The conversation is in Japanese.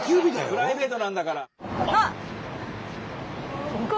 プライベートなんだから！